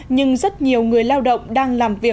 nhưng rất nhiều người lao động đang làm việc